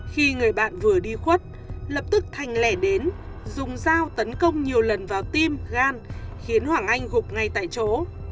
khi người bạn vừa đi khuất lập tức thành lẻ đến dùng dao tấn công nhiều lần vào tim gan khiến hoàng anh gục ngay tại chỗ